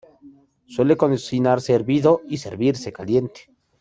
Suele cocinarse hervido y servirse caliente.